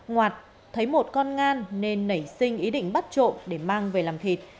ngoạt thấy một con ngan nên nảy sinh ý định bắt trộm để mang về làm thịt